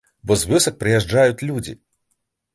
Бо з вёсак прыязджаюць людзі.